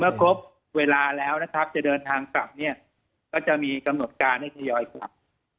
เมื่อครบเวลาแล้วจะเดินทางกลับก็จะมีกำหนดการให้ทยอยกลับ